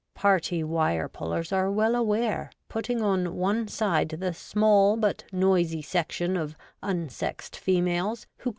Party wirepullers are well aware, putting on one side the small but noisy section of unsexed females who WOMAN UP TO DATE.